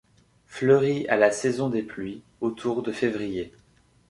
Fleurit à la saison des pluies, autour de février.